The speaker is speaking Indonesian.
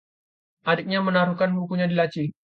adiknya menaruhkan bukunya di laci